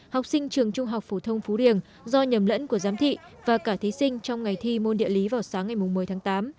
học sinh trường trung học phổ thông phú riềng do nhầm lẫn của giám thị và cả thí sinh trong ngày thi môn địa lý vào sáng ngày một mươi tháng tám